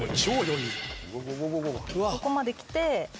ここまで来て。